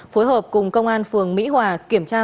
phối hợp cùng công an phường mỹ hòa kiểm tra